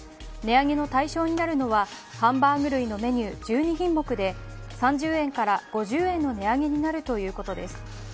値上げの対象になるのはハンバーグ類のメニュー１２品目で３０円から５０円の値上げになるということです。